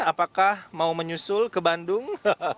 apakah mau menyusul ke bandung